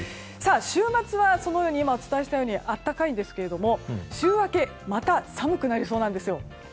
週末は、今、お伝えしたように暖かいんですけれども週明けまた寒くなりそうなんですよ。